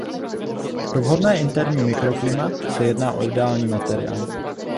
Pro vhodné interní mikroklima se jedná o ideální materiál.